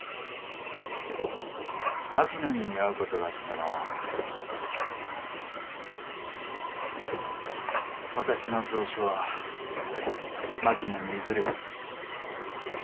槙野に会うことがあったら私の蔵書は槙野に譲る。